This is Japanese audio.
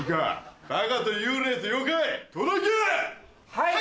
はい！